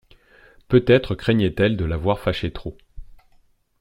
Peut-être craignait-elle de l'avoir fâché trop.